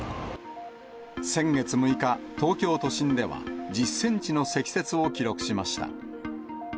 先月６日、東京都心では、１０センチの積雪を記録しました。